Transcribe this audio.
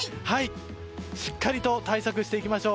しっかりと対策していきましょう。